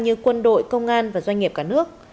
như quân đội công an và doanh nghiệp cả nước